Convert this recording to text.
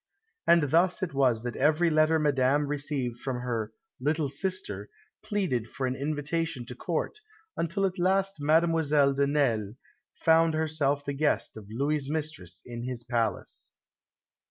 And thus it was that every letter Madame received from her "little sister" pleaded for an invitation to Court, until at last Mademoiselle de Nesle found herself the guest of Louis' mistress in his palace.